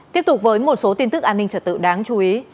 tiếp tục với một số tin tức an ninh trật tự đáng chú ý